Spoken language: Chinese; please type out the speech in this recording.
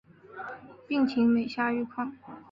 病情每下愈况